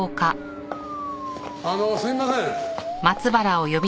あのすいません。